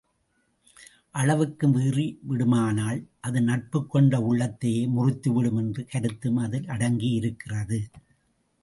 அளவுக்கு மீறி விடுமானால், அது நட்புக் கொண்ட உள்ளத்தையே முறித்துவிடும் என்ற கருத்தும் இதில் அடங்கியிருக்கிறது.